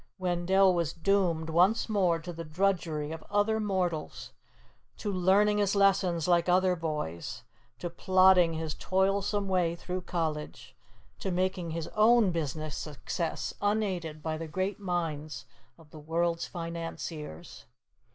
Wendell was doomed once more to the drudgery of other mortals, to learning his lessons like other boys, to plodding his toilsome way through college, to making his own business success, unaided by the great minds of the world's financiers.